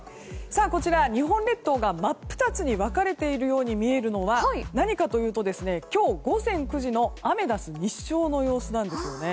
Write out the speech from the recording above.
こちら、日本列島が真っ二つに分かれているように見えるのは何かというと、今日午前９時のアメダス日照の様子です。